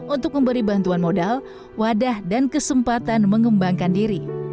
untuk memberi bantuan modal wadah dan kesempatan mengembangkan diri